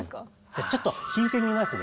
じゃちょっと弾いてみますね。